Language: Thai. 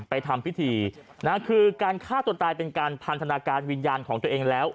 ทำพิธีนะคือการฆ่าตัวตายเป็นการพันธนาการวิญญาณของตัวเองแล้ว